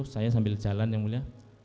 saya sambil jalan yang mulia